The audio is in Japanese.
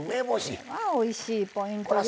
おいしいポイントです。